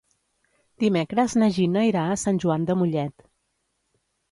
Dimecres na Gina irà a Sant Joan de Mollet.